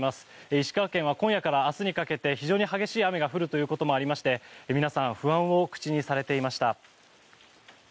石川県は今夜から明日にかけて非常に激しい雨が降るということもありまして皆さん不安を口にされていました。